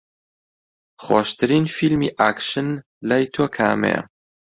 خۆشترین فیلمی ئاکشن لای تۆ کامەیە؟